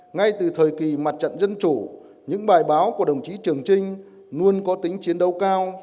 ngay từ thời kỳ mặt trận dân chủ những bài báo của đồng chí trường trinh luôn có tính chiến đấu cao